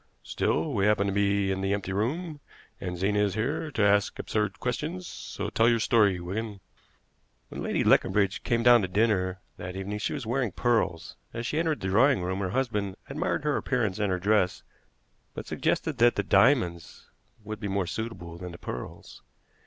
Still, we happen to be in the empty room, and Zena is here to ask absurd questions; so tell your story, Wigan." "When Lady Leconbridge came down to dinner that evening she was wearing pearls. As she entered the drawing room her husband admired her appearance and her dress, but suggested that the diamonds would be more suitable than the pearls.